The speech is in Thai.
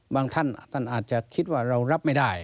ท่านท่านอาจจะคิดว่าเรารับไม่ได้